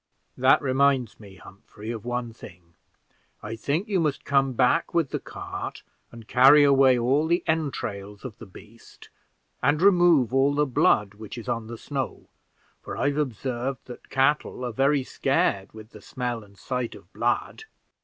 "That reminds me, Humphrey, of one thing; I think you must come back with the cart and carry away all the entrails of the beast, and remove all the blood which is on the snow, for I've observed that cattle are very scared with the smell and sight of blood.